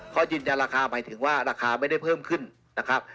เขายืนยันราคาหมายถึงว่าราคาไม่ได้เพิ่มขึ้นนะครับ